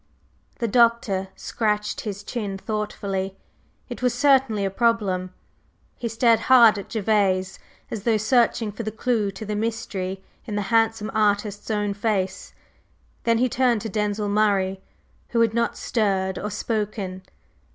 The Doctor scratched his chin thoughtfully. It was certainly a problem. He stared hard at Gervase, as though searching for the clue to the mystery in the handsome artist's own face. Then he turned to Denzil Murray, who had not stirred or spoken.